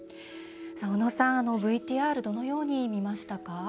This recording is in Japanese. おのさん、ＶＴＲどのように見ましたか？